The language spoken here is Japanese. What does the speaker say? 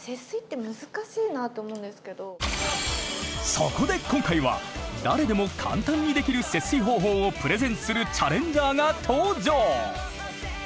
そこで今回は誰でも簡単にできる節水方法をプレゼンするチャレンジャーが登場！